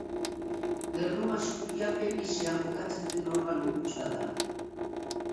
Gernu maskuria pelbisean kokatzen den organo huts bat da.